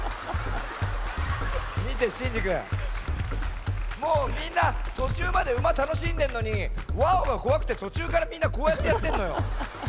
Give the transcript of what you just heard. みてシンジくんもうみんなとちゅうまでウマたのしんでんのに「ワオ！」がこわくてとちゅうからみんなこうやってやってんのよ。